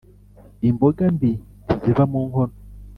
Imboga mbi ntiziva mu nkono